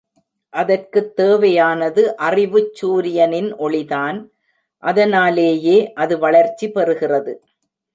அதற்குத் தேவையானது அறிவுச் சூரியனின் ஒளிதான் அதனாலேயே அது வளர்ச்சி பெறுகிறது.